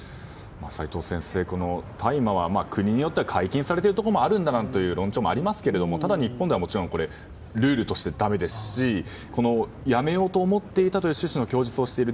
齋藤先生、大麻は国によっては解禁されているところもあるという論調もありますがただ、日本ではルールとしてだめですしやめようと思っていたという趣旨の供述をしている。